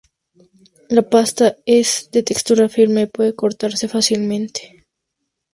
La pasta es de textura firme, puede cortarse fácilmente.